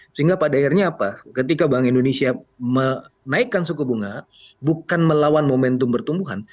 sehingga pada akhirnya apa ketika bank indonesia menaikkan suku bunga bukan melawan momentum pertumbuhan